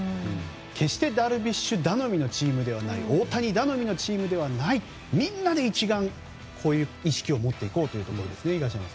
決してダルビッシュ頼みのチームではない大谷頼みのチームではないみんなで一丸、こういう意識を持っていこうということです。